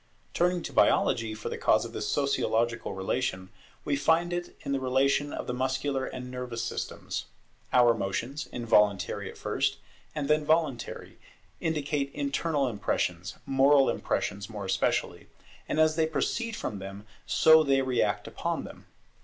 Turning to Biology for the cause of this sociological relation, we find it in the relation of the muscular and nervous systems. Our motions, involuntary at first, and then voluntary, indicate internal impressions, moral impressions more especially; and as they proceed from them, so they react upon them.